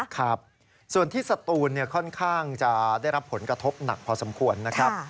ครับส่วนที่สตูนค่อนข้างจะได้รับผลกระทบหนักพอสมควรนะครับ